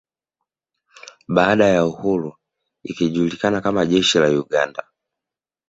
Baada ya uhuru ikijulikana kama jeshi la Uganda